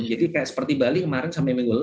kayak seperti bali kemarin sampai minggu lalu